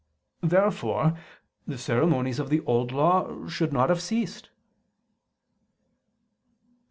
Therefore the ceremonies of the Old Law should not have ceased. Obj.